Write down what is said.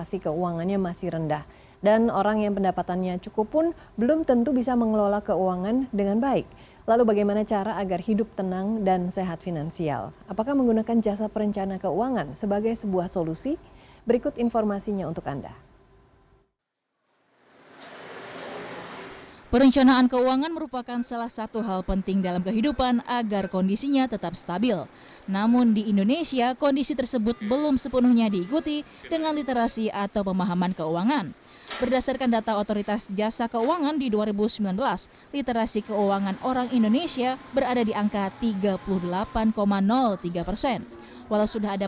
selama tiga tahun terakhir masyarakat masih rentan atau berpotensi sakit secara finansial